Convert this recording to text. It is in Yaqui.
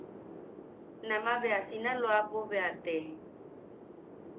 Nama bea Sinaloapo bea te.